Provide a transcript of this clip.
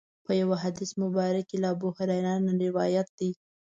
په یو حدیث مبارک کې له ابوهریره نه روایت دی.